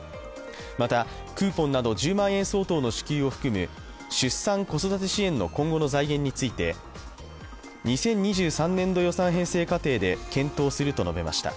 また、クーポンなど、１０万円相当の支給を含む出産・子育て支援の今後の財源について２０２３年度予算編成過程で検討すると述べました。